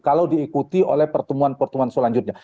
kalau diikuti oleh pertemuan pertemuan selanjutnya